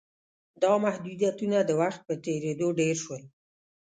دا محدودیتونه د وخت په تېرېدو ډېر شول